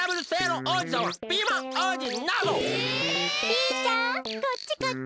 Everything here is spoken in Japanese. ピーちゃんこっちこっち！